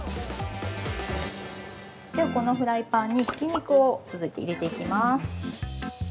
では、このフライパンにひき肉を続いて入れていきます。